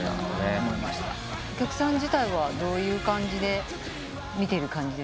お客さん自体はどういう感じで見てる感じですか？